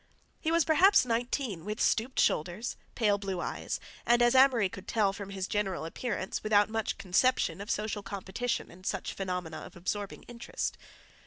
He was, perhaps, nineteen, with stooped shoulders, pale blue eyes, and, as Amory could tell from his general appearance, without much conception of social competition and such phenomena of absorbing interest.